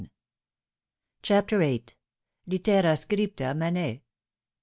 CHAPTER VIIL LITERA SCRIPTA MANET.